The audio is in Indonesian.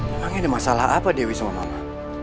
emang ada masalah apa dewi sama mama